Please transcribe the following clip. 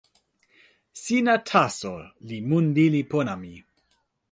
sina taso li mun lili pona mi.